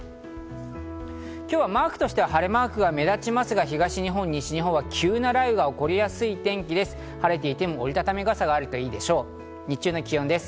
今日はマークとしては晴れマークが目立ちますが、東日本、西日本は急な雷雨が起こりやすい天気です。